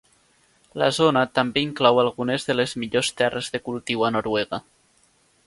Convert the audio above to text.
La zona també inclou algunes de les millors terres de cultiu a Noruega.